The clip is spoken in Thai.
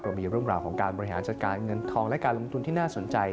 มีเรื่องราวของการบริหารจัดการเงินทองและการลงทุนที่น่าสนใจ